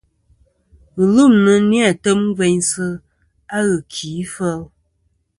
Ghɨlûmnɨ ni-a tem gveynsɨ a ghɨkì fel.